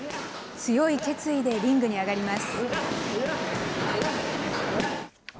強い決意でリングに上がります。